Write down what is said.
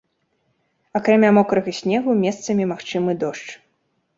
Акрамя мокрага снегу месцамі магчымы дождж.